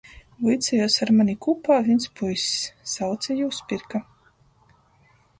Vuicejuos ar mani kūpā vīns puiss, sauce jū Spirka.